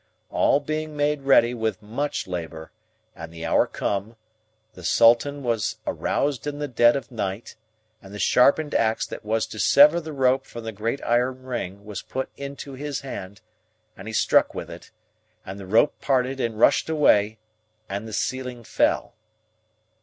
All being made ready with much labour, and the hour come, the sultan was aroused in the dead of the night, and the sharpened axe that was to sever the rope from the great iron ring was put into his hand, and he struck with it, and the rope parted and rushed away, and the ceiling fell.